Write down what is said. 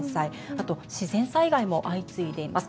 あと自然災害も相次いでいます。